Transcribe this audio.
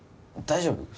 大丈夫？